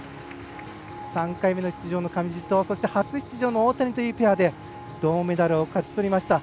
３回目の出場の上地と初出場の大谷というペアで銅メダルを勝ちとりました。